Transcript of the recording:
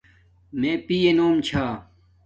مݺ پِیئݺ نݸم ـــــ چھݳ.